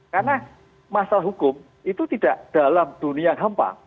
karena masalah hukum itu tidak dalam dunia gampang